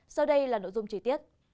sau đây là nội dung trí tiết